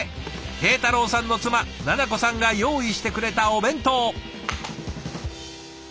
慶太郎さんの妻菜々子さんが用意してくれたお弁当。